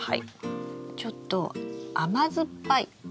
ちょっと甘酸っぱい。